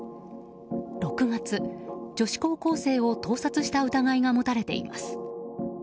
６月、女子高校生を盗撮した疑いが持たれています。